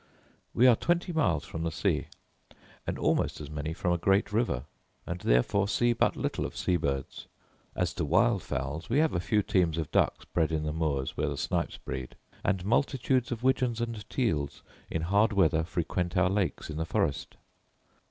We are twenty miles from the sea, and almost as many from a great river, and therefore see but little of sea birds. As to wild fowls, we have a few teams of ducks bred in the moors where the snipes breed; and multitudes of widgeons and teals in hard weather frequent our lakes in the forest.